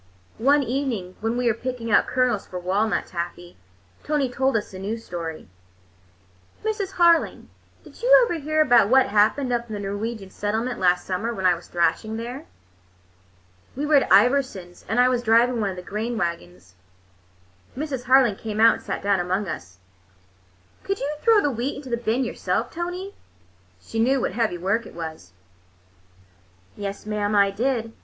One evening when we were picking out kernels for walnut taffy, Tony told us a new story. "Mrs. Harling, did you ever hear about what happened up in the Norwegian settlement last summer, when I was thrashing there? We were at Iversons', and I was driving one of the grain wagons." Mrs. Harling came out and sat down among us. "Could you throw the wheat into the bin yourself, Tony?" She knew what heavy work it was. "Yes, mam, I did.